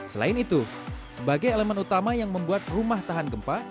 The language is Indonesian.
selain itu sebagai elemen utama yang membuat rumah tahan gempa